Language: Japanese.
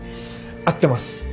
合ってます。